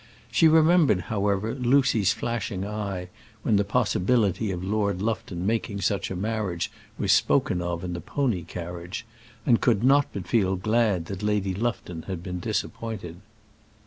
She remembered, however, Lucy's flashing eye when the possibility of Lord Lufton making such a marriage was spoken of in the pony carriage, and could not but feel glad that Lady Lufton had been disappointed.